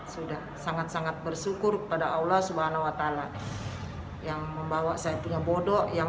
sudah sangat sangat bersyukur kepada allah swt yang membawa saya punya bodoh yang